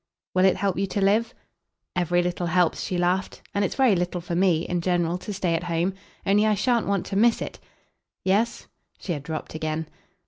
"Will it help you to live?" "Every little helps," she laughed; "and it's very little for me, in general, to stay at home. Only I shan't want to miss it !" "Yes?" she had dropped again.